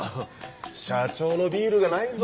社長のビールがないぞ。